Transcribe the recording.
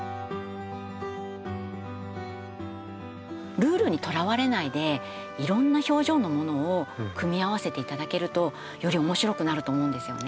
ルールにとらわれないでいろんな表情のものを組み合わせていただけるとより面白くなると思うんですよね。